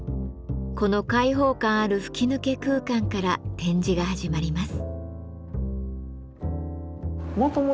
この開放感ある吹き抜け空間から展示が始まります。